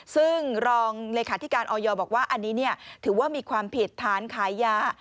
ซึ่งรองเลขาธิการออยบอกว่าอันนี้ถือว่ามีความผิดฐานขายยา